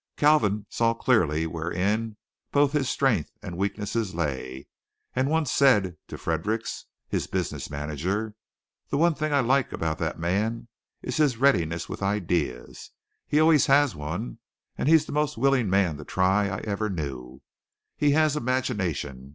Kalvin saw clearly wherein both his strength and his weakness lay, and once said to Fredericks, his business manager: "The one thing I like about that man is his readiness with ideas. He always has one, and he's the most willing man to try I ever knew. He has imagination.